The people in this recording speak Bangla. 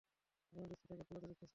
আপনার দোস্ত তাকে পালাতে দিচ্ছে স্যার।